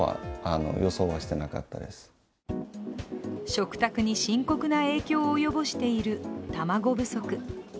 食卓に深刻な影響を及ぼしている卵不足。